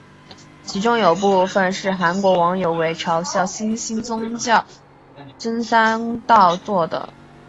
其中有部分是韩国网友为嘲笑新兴宗教甑山道做的。